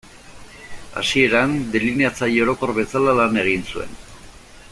Hasieran delineatzaile orokor bezala lan egin zuen.